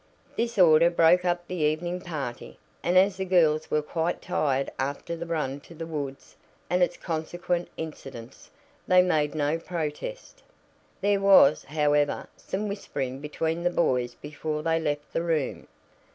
This order broke up the evening party, and as the girls were quite tired after the run to the woods and its consequent incidents, they made no protest. There was, however, some whispering between the boys before they left the room.